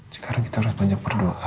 sekarang kita harus banyak berdoa